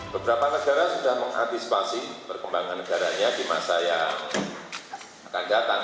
beberapa negara sudah mengantisipasi perkembangan negaranya di masa yang akan datang